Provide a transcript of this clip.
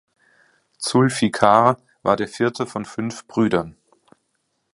Zulfikar war der vierte von fünf Brüdern.